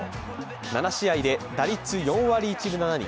７試合で打率４割１分７厘。